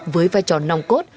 với vai trò nòng cốt